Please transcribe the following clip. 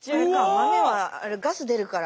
豆はガス出るから。